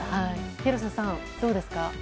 廣瀬さん、どうですか？